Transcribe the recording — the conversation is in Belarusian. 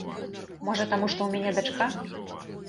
Можа, таму што ў мяне дачка?